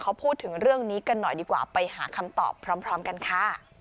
เขาพูดถึงเรื่องนี้กันหน่อยดีกว่าไปหาคำตอบพร้อมกันค่ะ